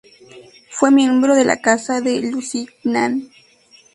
Fue miembro de la Casa de Lusignan.